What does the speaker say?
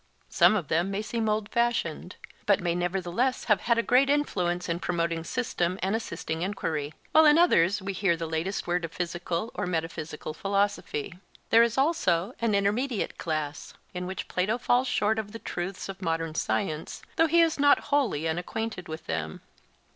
Some of them may seem old fashioned, but may nevertheless have had a great influence in promoting system and assisting enquiry, while in others we hear the latest word of physical or metaphysical philosophy. There is also an intermediate class, in which Plato falls short of the truths of modern science, though he is not wholly unacquainted with them.